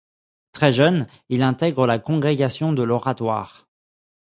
Très jeune, il intègre la congrégation de l'Oratoire.